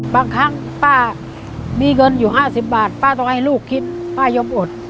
บางครั้งป้ามีเงินอยู่๕๐บาทป้าต้องให้ลูกคิดป้ายมอด